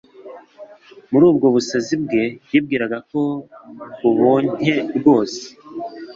muri ubwo busazi bwe yibwiraga ko buboncye rwose.